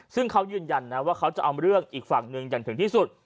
ซึ่งเขายืนยันนะว่าเขาจะเอาเรื่องอีกฝั่งหนึ่งอย่างถึงที่สุด